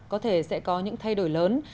có thể sẽ có những thay đổi lớn